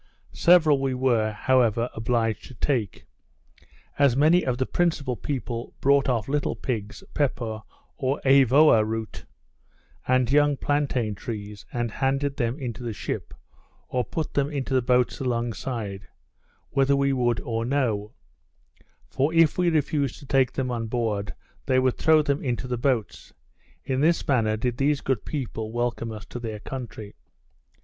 Several we were, however, obliged to take, as many of the principal people brought off little pigs, pepper, or eavoa root, and young plantain trees, and handed them into the ship, or put them into the boats along side, whether we would or no; for if we refused to take them on board, they would throw them into the boats. In this manner, did these good people welcome us to their country.